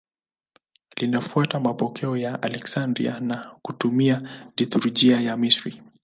Linafuata mapokeo ya Aleksandria na kutumia liturujia ya Misri.